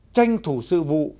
tranh thủ sự vụ